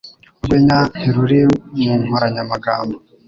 Urwenya ntiruri mu nkoranyamagambo.